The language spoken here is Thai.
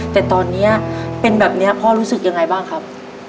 แต่ตอนนี้เป็นแบบนี้พ่อรู้สึกยังไงบ้างครับ